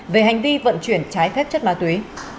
về hành vi vận chuyển trái phép chất ma túy